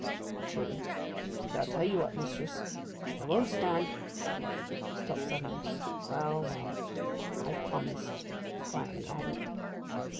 'True, but I'll tell you what, mistress—I won't stand—' He stopped suddenly. 'Well, well; I've promised!' he quietly added.